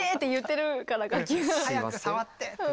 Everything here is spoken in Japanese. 「早く触って」って。